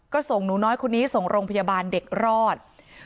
ก็ส่งหนูน้อยคนนี้ส่งโรงพยาบาลเด็กรอด